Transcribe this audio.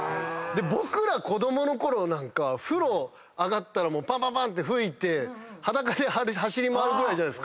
僕ら子供のころなんか風呂上がったらパンパンパンって拭いて裸で走り回るぐらいじゃない。